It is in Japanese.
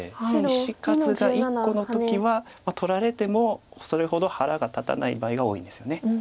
石数が１個の時は取られてもそれほど腹が立たない場合が多いんですよね。